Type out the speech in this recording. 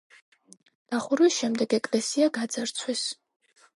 დახურვის შემდეგ ეკლესია გაძარცვეს.